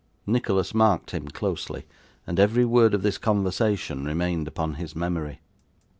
Nicholas marked him closely, and every word of this conversation remained upon his memory.